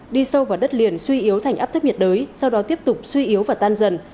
đi sâu vào đất liền suy yếu thành áp thấp nhiệt đới sau đó tiếp tục suy yếu và tan dần